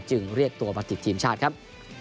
จึงเรียกตัวบัตรทีตีมชาติครับ